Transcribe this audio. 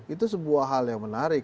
itu sebuah hal yang menarik